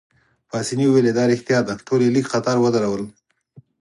پاسیني وویل: دا ريښتیا ده، ټول يې لیک قطار ودرول.